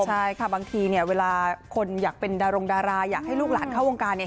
ใช่ค่ะบางทีเนี่ยเวลาคนอยากเป็นดารงดาราอยากให้ลูกหลานเข้าวงการเนี่ย